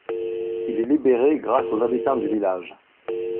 Il est libéré grâce aux habitants du village.